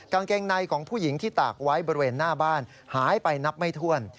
กางเกงในของผู้หญิงที่ตากไว้บริเวณหน้าบ้านหายไปนับไม่ถ้วน